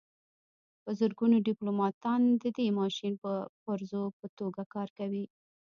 په زرګونو ډیپلوماتان د دې ماشین د پرزو په توګه کار کوي